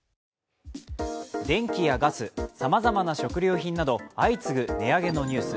電気やガス、さまざまな食料品など相次ぐ値上げのニュース。